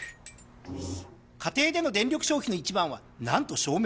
家庭での電力消費の一番はなんと照明。